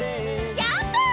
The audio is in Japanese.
ジャンプ！